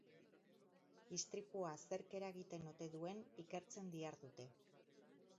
Istripua zerk eragin ote duen ikertzen dihardute.